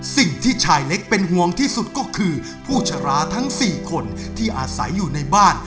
สิ่งที่ชายเล็กเป็นห่วงที่สุดก็คือผู้ชราทั้ง๔คนที่อาศัยอยู่ในบ้าน